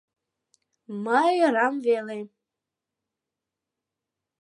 Мый ӧрам веле!